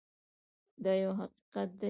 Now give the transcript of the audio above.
دا یو حقیقت دی.